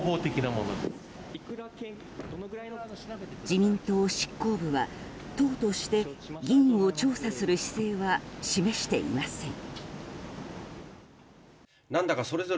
自民党執行部は、党として議員を調査する姿勢は示していません。